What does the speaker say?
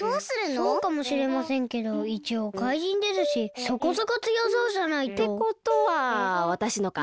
そうかもしれませんけどいちおうかいじんですしそこそこつよそうじゃないと。ってことはわたしのか。